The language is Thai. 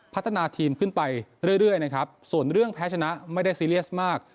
พัฒนาทีมขึ้นไปเรื่อยนะครับส่วนเรื่องแพ้ชนะไม่ได้ซีเรียสมาก